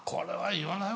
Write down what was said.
言わないの？